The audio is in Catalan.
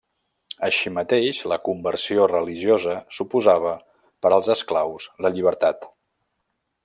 Així mateix, la conversió religiosa suposava per als esclaus la llibertat.